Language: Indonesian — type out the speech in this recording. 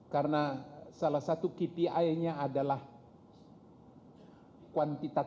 karena salah satu kpi nya adalah kuantitatif angka